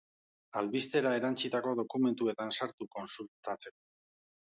Albistera erantsitako dokumentuetan sartu kontsultatzeko.